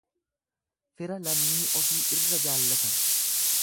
Fira lammii ofii irra jaallatan.